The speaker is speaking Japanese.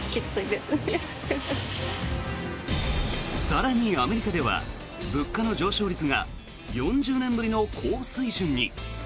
更に、アメリカでは物価の上昇率が４０年ぶりの高水準に。